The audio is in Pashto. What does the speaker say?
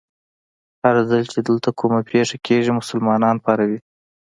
هر ځل چې دلته کومه پېښه کېږي، مسلمانان پاروي.